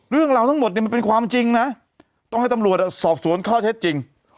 เรื่องราวทั้งหมดเนี่ยมันเป็นความจริงนะต้องให้ตำรวจสอบสวนข้อเท็จจริง